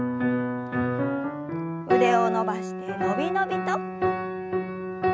腕を伸ばしてのびのびと。